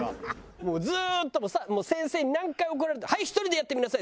もうずっと先生に何回怒られた「はい１人でやってみなさい！」